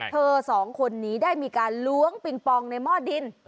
สองคนนี้ได้มีการล้วงปิงปองในหม้อดิน